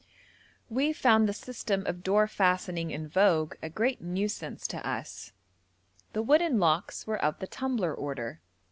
We found the system of door fastening in vogue a great nuisance to us. The wooden locks were of the 'tumbler' order.